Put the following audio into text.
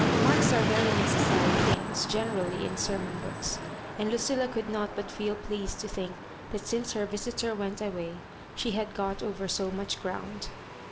Marks are very necessary things generally in sermon books; and Lucilla could not but feel pleased to think that since her yisitor went away she had got over so much ground.